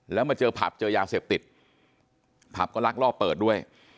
แล้วมาเจอผับเจอยาเสพติดผับก็ลักลอบเปิดด้วย